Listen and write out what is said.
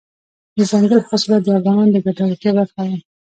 دځنګل حاصلات د افغانانو د ګټورتیا برخه ده.